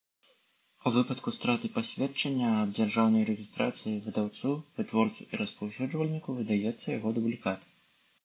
У выпадку страты пасведчання аб дзяржаўнай рэгiстрацыi выдаўцу, вытворцу i распаўсюджвальнiку выдаецца яго дублiкат.